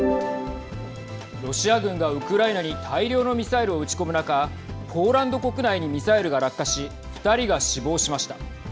ロシア軍がウクライナに大量のミサイルを撃ち込む中ポーランド国内にミサイルが落下し、２人が死亡しました。